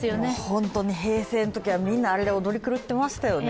本当に平成のときは、みんなあれで踊り狂ってましたよね。